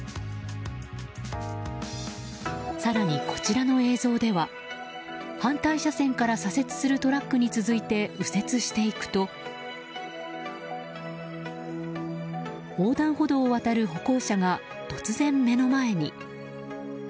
更に、こちらの映像では反対車線から左折するトラックに続いて右折していくと横断歩道を渡る歩行者が突然、目の前に！